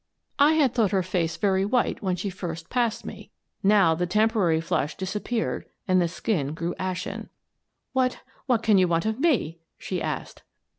I had thought her face very white when she first passed me; now the temporary flush disappeared and the skin grew ashen. " What — what can you want of me? " she asked.